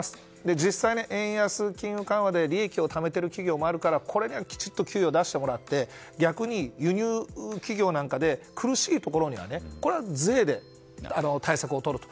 実際、円安や金融緩和で利益をためている企業もあるからこれからきちっと給与を出してもらって逆に輸入企業なんかで苦しいところにはこれは税で対策をとると。